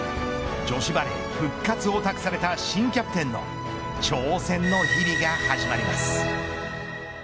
女子バレー復活を託された新キャプテンの挑戦の日々が始まります。